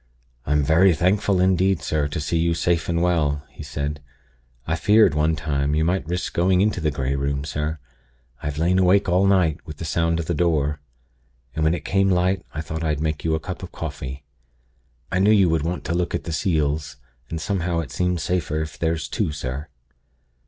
'I'm very thankful indeed, sir, to see you safe and well,' he said. 'I feared, one time, you might risk going into the Grey Room, sir. I've lain awake all night, with the sound of the Door. And when it came light, I thought I'd make you a cup of coffee. I knew you would want to look at the seals, and somehow it seems safer if there's two, sir.'